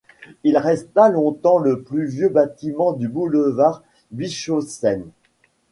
Il resta longtemps le plus vieux bâtiment du boulevard Bisschoffsheim.